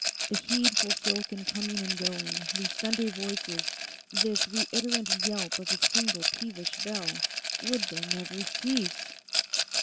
This heedful silken coming and going, these Sunday voices, this reiterant yelp of a single peevish bell—would they never cease?